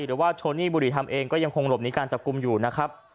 หรือว่าโชนี่บุรีทำเองก็ยังคงหลบหนีการจับกลุ่มอยู่นะครับ